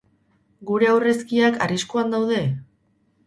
Gure aurrezkiak arriskuan daude?